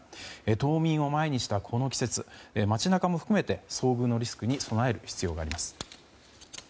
冬眠を前にしたこの季節街中を含めて遭遇のリスクに備える必要があります。